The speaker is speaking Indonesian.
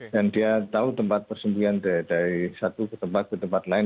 dia tahu tempat persembuhan dari satu ke tempat ke tempat lain